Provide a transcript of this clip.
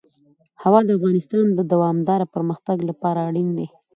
هوا د افغانستان د دوامداره پرمختګ لپاره اړین دي.